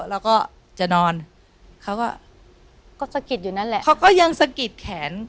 แล้วก็จะนอนเขาก็สะกิดอยู่นั่นแหละเขาก็ยังสะกิดแขน